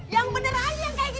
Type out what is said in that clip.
yang bener aja yang kayak gini